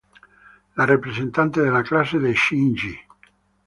La representante de la clase de Shinji.